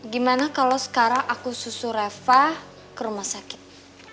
gimana kalau sekarang aku susu reva ke rumah sakit